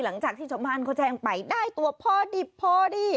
หลังจากที่ชาวบ้านเขาแจ้งไปได้ตัวพอดิบพอดี